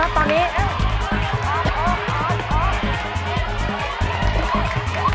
เร็วเร็วเร็วเร็ว